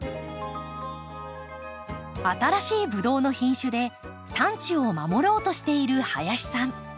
新しいブドウの品種で産地を守ろうとしている林さん。